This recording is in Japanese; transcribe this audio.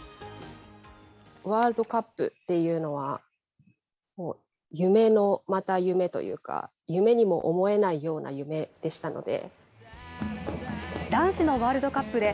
ワールドカップっていうのは、もう夢のまた夢というか夢にも思えないような夢でしたので。